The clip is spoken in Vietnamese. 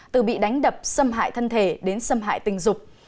từ bị đánh đập xâm hại thân thể đến xâm hại tình dục